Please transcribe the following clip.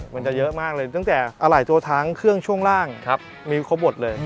มันจะเยอะมากเลยตั้งแต่อะไหล่ตัวทั้งเครื่องช่วงล่างมีครบหมดเลย